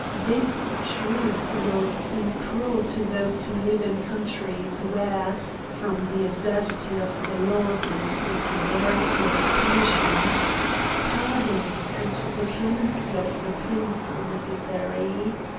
This truth will seem cruel to those who live in countries where, from the absurdity of the laws and the se verity of punishments, pardons and the clemency of the prince are necessary.